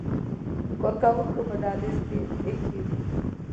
کارکوونکو په دهلیز کې ایښي وو.